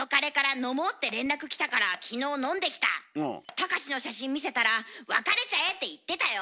隆史の写真見せたら「別れちゃえ」って言ってたよ。